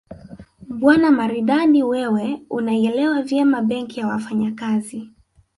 Bwana Maridadi wewe unaielewa vyema Benki ya Wafanyakazi